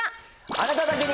あなただけに！